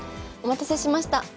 お待たせしました。